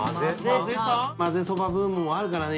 まぜそばブームもあるからね